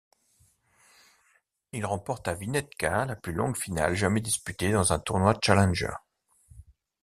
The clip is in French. Il remporte à Winnetka la plus longue finale jamais disputée dans un tournoi Challenger.